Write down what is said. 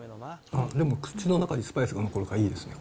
でも口の中にスパイスが残るからいいですね。